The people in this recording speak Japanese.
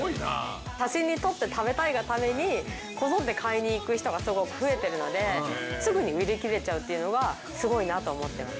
写真に撮って食べたいがために、好んで買いに行く人が増えてるので、すぐに売り切れちゃうっていうのはすごいなと思ってます。